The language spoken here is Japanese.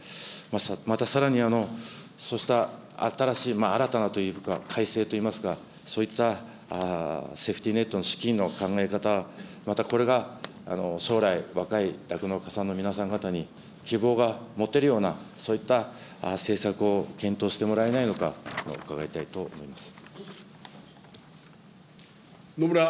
またさらに、そうした新しい新たなというか、改正といいますか、そういったセーフティネットの資金の考え方、またこれが将来、若い酪農家さんの皆さん方に希望が持てるような、そういった政策を検討してもらえないのか、伺いたいと思います。